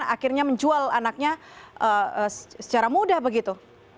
dan akhirnya menjual anaknya secara mudah begitu